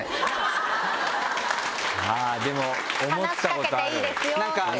「話しかけていいですよ」って？